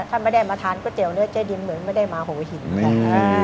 ถ้าไม่ได้มาทานก๋วยเตี๋ยวเนื้อเจ๊ดินเหมือนไม่ได้มาหัวหัวหิ่น